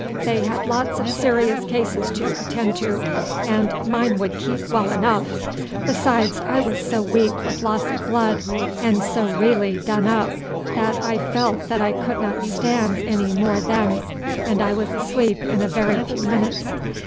They had lots of serious cases to attend to, and mine would keep well enough; besides, I was so weak with loss of blood, and so really done up, that I felt that I could not stand any more then, and I was asleep in a very few minutes.